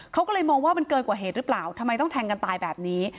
เขาก็เลยมองว่ามันเกินกว่าเหตุหรือเปล่าทำไมต้องแทงกันตายแบบนี้